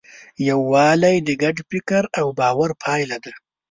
یووالی د ګډ فکر او باور پایله ده.